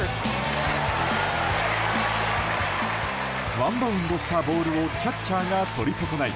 ワンバウンドしたボールをキャッチャーが取り損ない